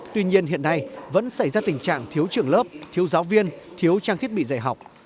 tuy nhiên hiện nay vẫn xảy ra tình trạng thiếu trường lớp thiếu giáo viên thiếu trang thiết bị dạy học